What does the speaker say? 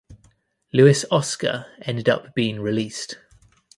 Luis Oscar ended up being released.